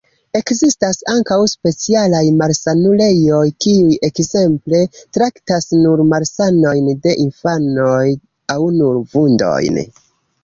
Ekzistas ankaŭ specialaj malsanulejoj, kiuj, ekzemple, traktas nur malsanojn de infanoj aŭ nur vundojn.